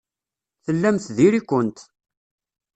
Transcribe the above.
Tellamt diri-kent.